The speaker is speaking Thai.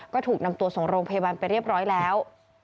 ก็ถูกนำตัวส่งโรงพยาบาลไปเรียบร้อยแล้ว